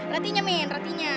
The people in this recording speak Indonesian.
retinya min retinya